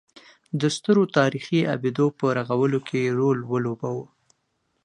د سترو تاریخي ابدو په رغولو کې یې رول ولوباوه.